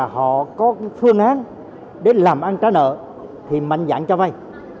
họ có phương án để làm ăn trả nợ thì mạnh dạng cho vay